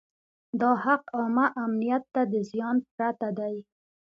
دا حق عامه امنیت ته د زیان پرته دی.